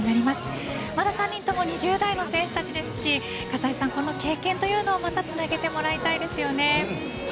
まだ３人とも２０代の選手たちですし葛西さん、この経験というのをまたつなげてもらいたいですね。